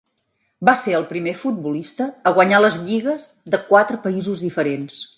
Va ser el primer futbolista a guanyar les lligues de quatre països diferents.